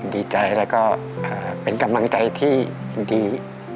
ดีใจแล้วก็เป็นกำลังใจที่ยินดี